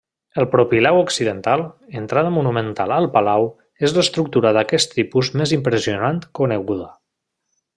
El propileu occidental, entrada monumental al palau, és l'estructura d'aquest tipus més impressionant coneguda.